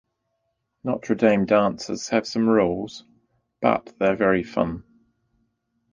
Notre Dame dances have some rules, but are very fun.